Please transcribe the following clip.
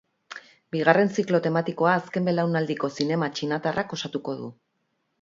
Bigarren ziklo tematikoa azken belaunaldiko zinema txinatarrak osatuko du.